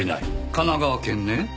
神奈川県ね。